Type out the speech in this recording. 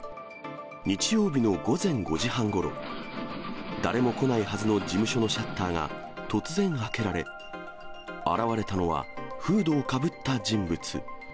日曜日の午前５時半ごろ、誰も来ないはずの事務所のシャッターが突然開けられ、現れたのは、フードをかぶった人物。